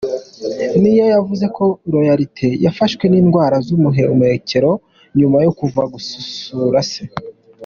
Nia yavuze ko Royalty yafashwe n’indwara z’ubuhumekero nyuma yo kuva gusura se.